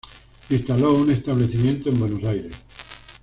Instaló un establecimiento en Buenos Aires.